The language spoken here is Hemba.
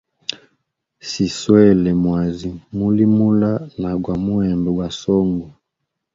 Niswele mwazi mulimula na gwa muembe gwa songo.